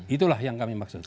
itulah yang kami maksud